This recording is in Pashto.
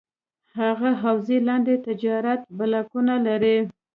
دغه حوزه لاندې تجارتي بلاکونه لري: